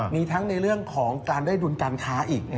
มีทั้งในเรื่องของการได้ดุลการค้าอีก